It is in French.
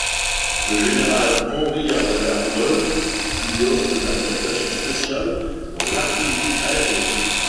Le général Henry Harley Arnold lui offre une affectation spéciale dans l’artillerie aérienne.